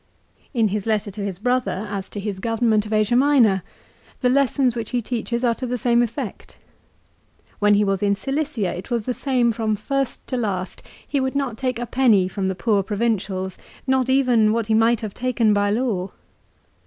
In his letter to his "brother as to his government of Asia Minor the lessons which he teaches are to the same effect. When he was in Cilicia it was the same from first to last. He would not take a penny from the poor provincials, not even what he might have taken by law.